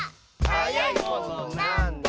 「はやいものなんだ？」